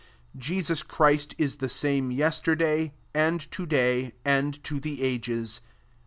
8 Jesus Christ i« the same yesterday, and to day, and to the ages.